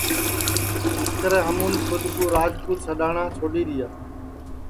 اِسکرے ہمُون کھود کُو راجپوت سڈؔاٹؔا چھوڈؔی دؔیا